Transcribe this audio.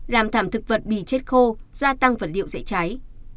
làm thảm thực vật bị chết khô gia tăng vật liệu dễ cháy